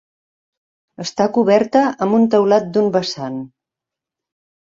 Està coberta amb un teulat d'un vessant.